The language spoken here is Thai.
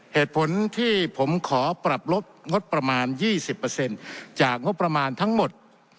เหตุผลที่ผมขอปรับลดงดประมาณยี่สิบเปอร์เซ็นต์จากงบประมาณทั้งหมด